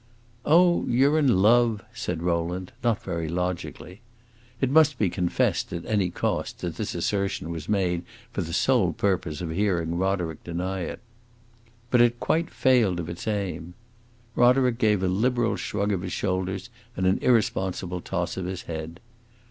"Oh, you 're in love!" said Rowland, not very logically. It must be confessed, at any cost, that this assertion was made for the sole purpose of hearing Roderick deny it. But it quite failed of its aim. Roderick gave a liberal shrug of his shoulders and an irresponsible toss of his head.